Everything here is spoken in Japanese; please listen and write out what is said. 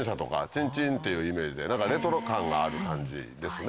チンチンっていうイメージだよレトロ感がある感じですね。